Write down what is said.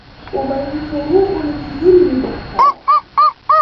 Ubainifu huu ulikithiri mipaka.